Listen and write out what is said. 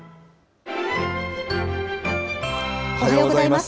おはようございます。